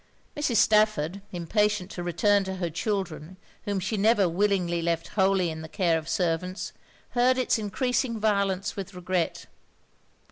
Mrs. Stafford, impatient to return to her children, whom she never willingly left wholly in the care of servants, heard it's encreasing violence with regret.